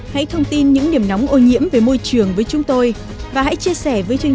hãy thông tin những điểm nóng ô nhiễm về môi trường với chúng tôi và hãy chia sẻ với chương